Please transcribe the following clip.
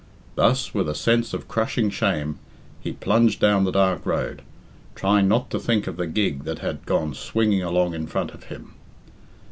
Thus, with a sense of crushing shame, he plunged down the dark road, trying not to think of the gig that had gone swinging along in front of him.